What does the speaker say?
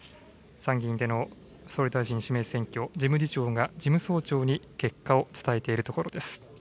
参議院での総理大臣指名選挙、事務次長が事務総長に結果を伝えているところです。